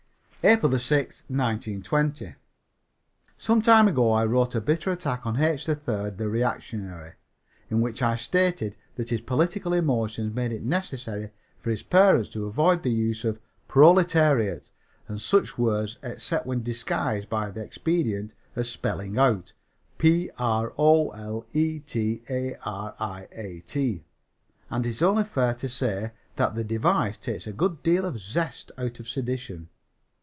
APRIL 6, 1920. Some time ago I wrote a bitter attack on H. 3rd, the reactionary, in which I stated that his political emotions made it necessary for his parents to avoid the use of "proletariat" and such words except when disguised by the expedient of spelling out "p r o l e t a r i a t." And it is only fair to say that the device takes a good deal of the zest out of sedition.